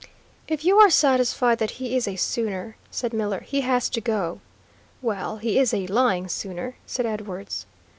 "If you are satisfied that he is a sooner," said Miller, "he has to go." "Well, he is a lying sooner," said Edwards.